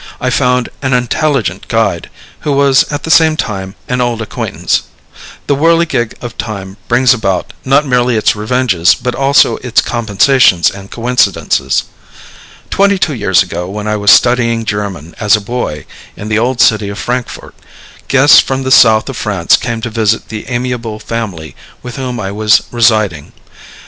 I found an intelligent guide, who was at the same time an old acquaintance. The whirligig of time brings about, not merely its revenges, but also its compensations and coincidences. Twenty two years ago, when I was studying German as a boy in the old city of Frankfort, guests from the South of France came to visit the amiable family with whom I was residing.